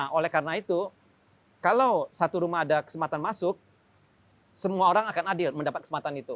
nah oleh karena itu kalau satu rumah ada kesempatan masuk semua orang akan adil mendapat kesempatan itu